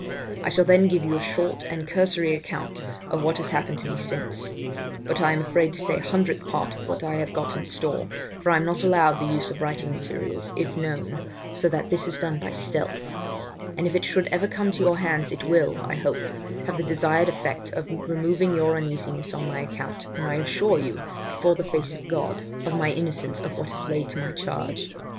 I shall then give you a short and cursory account of what has happened to me since; but I am afraid to say a hundredth part of what I have got in store, for I am not allowed the use of writing materials, if known, so that this is done by stealth; but if it should ever come to your hands, it will, I hope, have the desired effect of removing your uneasiness on my account, when I assure you, before the face of God, of my innocence of what is laid to my charge.